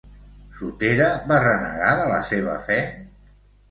Sotera va renegar de la seva fe?